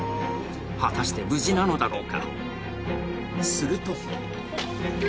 果たして無事なのだろうか。